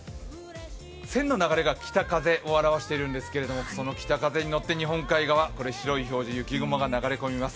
線の流れが北風を表しているんですけれども、この北風に乗って日本海側、この白い表示、雪雲が流れ込みます。